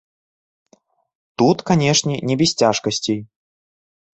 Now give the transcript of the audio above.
Тут, канешне, не без цяжкасцей.